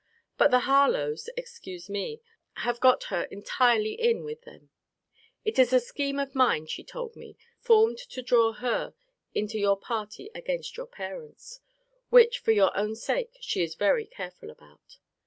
But the Harlowes (excuse me) have got her entirely in with them. It is a scheme of mine, she told me, formed to draw her into your party against your parents. Which, for your own sake, she is very careful about.